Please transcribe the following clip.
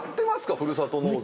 ふるさと納税。